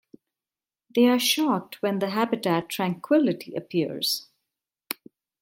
They are shocked when the habitat Tranquillity appears.